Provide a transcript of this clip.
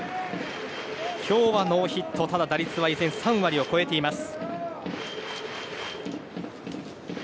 今日はノーヒットただ打率は３割を超えています。